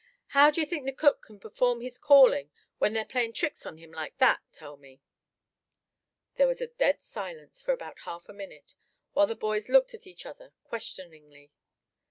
How d'ye think the cook c'n perform his calling, when they're playin' tricks on him like that, tell me?" There was a dead silence for about half a minute, while the boys looked at each other questioningly.